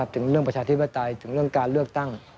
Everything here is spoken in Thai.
ถึงเรื่องประชาธิปไตยถึงเรื่องการเลือกตั้ง